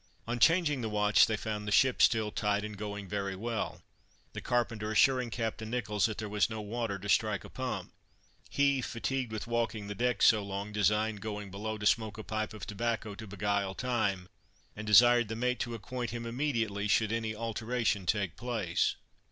On changing the watch they found the ship still tight and going very well, the carpenter assuring Captain Nicholls that there was no water to strike a pump. He, fatigued with walking the deck so long, designed going below to smoke a pipe of tobacco to beguile time, and desired the mate to acquaint him immediately should any alteration take place.